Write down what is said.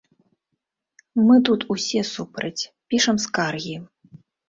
Мы тут усе супраць, пішам скаргі.